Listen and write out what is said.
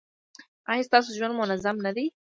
ایا ستاسو ژوند منظم نه دی؟